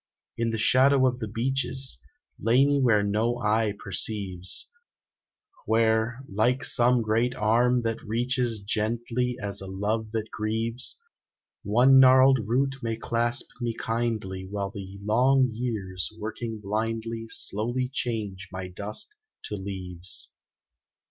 In the shadow of the beeches Lay me where no eye perceives; Where, like some great arm that reaches Gently as a love that grieves, One gnarled root may clasp me kindly While the long years, working blindly, Slowly change my dust to leaves.